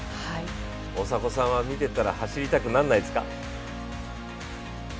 大迫さんは見てたら走りたくならないですか？